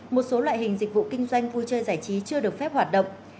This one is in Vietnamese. một số loại hình dịch vụ kinh doanh vui chơi giải trí chưa được phép hoạt động